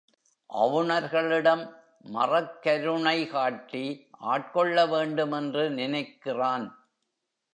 அவுணர்களிடம் மறக்கருணை காட்டி ஆட்கொள்ள வேண்டும் என்று நினைக்கிறான்.